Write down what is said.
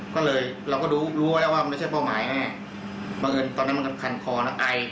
ก็เลยเราก็รู้รู้แล้วว่ามันไม่ใช่เป้าหมายแน่บังเอิญตอนนั้นมันคันคอนะไอ